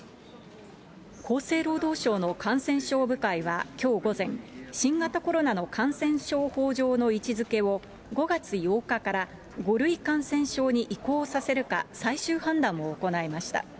厚生労働省の感染症部会はきょう午前、新型コロナの感染症法上の位置づけを、５月８日から５類感染症に移行させるか、最終判断を行いました。